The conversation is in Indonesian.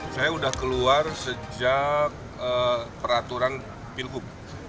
saya sudah keluar sejak peraturan pilgub